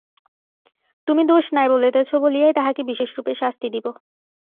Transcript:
তুমি দোষ নাই বলিতেছ বলিয়াই তাহাকে বিশেষরূপে শাস্তি দিব!